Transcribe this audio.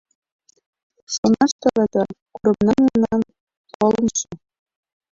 Шонаш тарата курымна мемнан, колымшо.